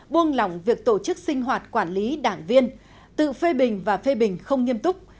buông lỏng việc tổ chức sinh hoạt quản lý đảng viên tự phê bình và phê bình không nghiêm túc